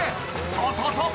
そうそうそう。